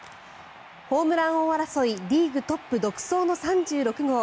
ホームラン王争いリーグトップ独走の３６号。